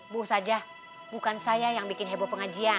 bu saja bukan saya yang bikin heboh pengajian